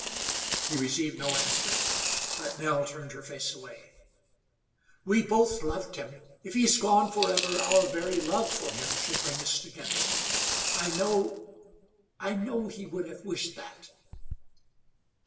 He received no answer. But Nell turned her face away. "We both loved him. If he's gone forever our very love for him should bring us together. I know I know he would have wished that."